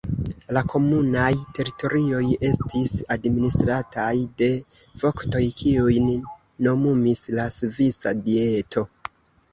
La komunaj teritorioj estis administrataj de voktoj, kiujn nomumis la Svisa Dieto.